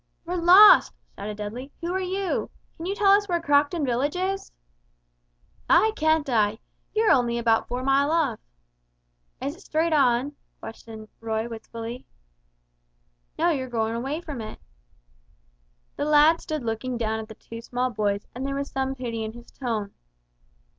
"We're lost," shouted Dudley; "who are you? Can you tell us where Crockton village is?" "Ay, can't I! You're only about four mile off!" "Is it straight on?" questioned Roy, wistfully. "No, you're goin' away from it." The lad stood looking down at the two small boys and there was some pity in his tone.